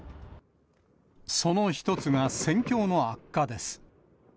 その１つが戦況の悪化です。